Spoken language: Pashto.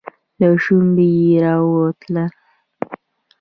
له شونډو يې راووتل.